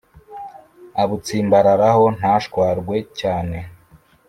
abutsimbararaho ntashwarwe cyane